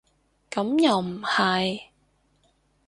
咁又唔係